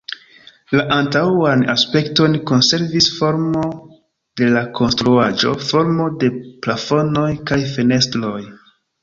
La antaŭan aspekton konservis formo de la konstruaĵo, formo de plafonoj kaj fenestroj.